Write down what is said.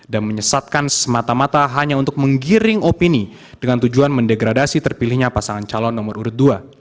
dan menyesatkan semata mata hanya untuk menggiring opini dengan tujuan mendegradasi terpilihnya pasangan calon nomor urut dua